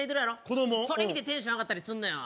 おうそれ見てテンション上がったりすんのよ